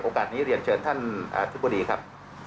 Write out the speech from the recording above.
นี้เรียนเชิญท่านอธิบดีครับ